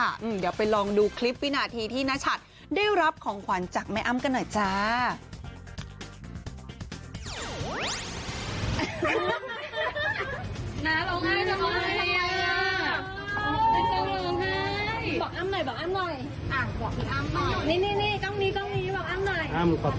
เดี๋ยวไปลองดูคลิปวินาทีที่นชัดได้รับของขวัญจากแม่อ้ำกันหน่อยจ้า